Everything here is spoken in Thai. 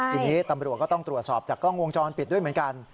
ทีนี้ตำรวจก็ต้องตรวจสอบจากกล้องวงจรปิดด้วยเหมือนกัน